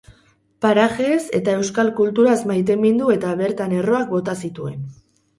Parajeez eta euskal kulturaz maitemindu eta bertan erroak bota zituen.